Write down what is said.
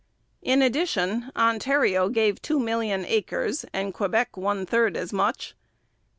In addition, Ontario gave two million acres and Quebec one third as much.